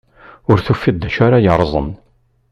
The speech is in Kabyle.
Ur tufiḍ d acu yeṛṛeẓen.